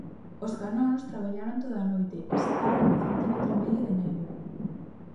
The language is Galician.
Os canóns traballaron toda a noite e sacaron un centímetro e medio de neve.